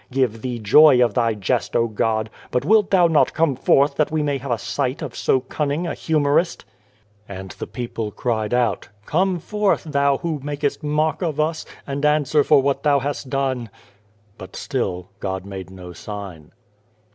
Give Thee joy of Thy jest, O God ! but wilt Thou not come forth that we may have sight of so cunning a humorist ?" And the people cried out :" Come forth Thou who makest mock of us ; and answer for what Thou hast done." But still God made no sign.